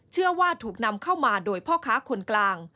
เชื่อว่าถูกนำเข้ามาโดยพ่อค้าคนกลาง